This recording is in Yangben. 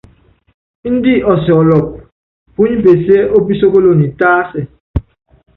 Índɛ ɔsɔlɔpɔ, púnyipeseé, opísókolonyi tásɛ.